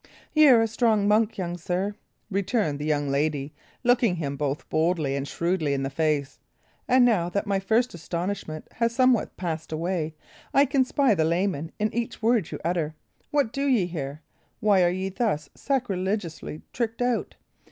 "Y' are a strange monk, young sir," returned the young lady, looking him both boldly and shrewdly in the face; "and now that my first astonishment hath somewhat passed away, I can spy the layman in each word you utter. What do ye here? Why are ye thus sacrilegiously tricked out?